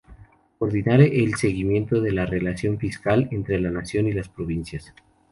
Coordinar el seguimiento de la relación fiscal entre la Nación y las provincias.